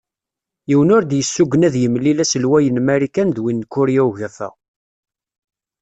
Yiwen ur d- yessugen ad yemlil uselway n Marikan d win n Kurya Ugafa.